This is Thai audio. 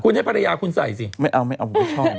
คุณให้ภรรยาคุณใส่สิไม่เอาไม่เอาผมไม่ชอบ